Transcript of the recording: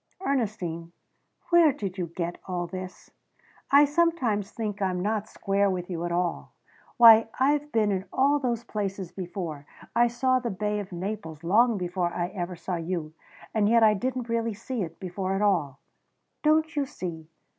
"Ernestine, where did you get all this? I sometimes think I'm not square with you at all. Why, I've been in all those places before! I saw the Bay of Naples long before I ever saw you and yet I didn't really see it before at all. Don't you see?